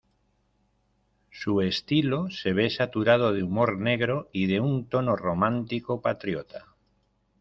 Su estilo se ve saturado de humor negro y de un tono romántico patriota.